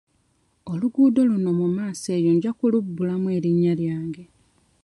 Oluguudo luno mu maaso eyo nja kulubbulamu erinnya lyange.